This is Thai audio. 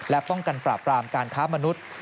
และป้องกันปราบรามการค้ามนุษย์